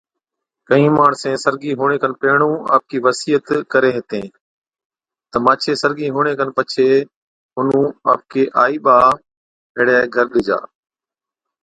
ڪھِين ماڻسين سرگِي ھُوَڻي کن پيھڻُون آپڪِي وصِيعت ڪرين ھتين تہ مانڇي سرگِي ھُوَڻِ کن پڇي مُنُون آپڪي آئِي ٻا ڀيڙي گھر ڏِجا